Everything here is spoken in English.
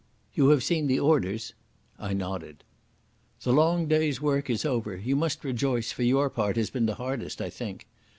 "You have seen the orders?" I nodded. "The long day's work is over. You must rejoice, for your part has been the hardest, I think.